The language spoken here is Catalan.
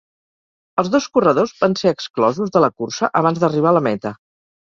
Els dos corredors van ser exclosos de la cursa abans d'arribar a la meta.